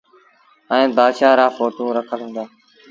ائيٚݩ بآشآهآن رآ ڦوٽو رکل هُݩدآ۔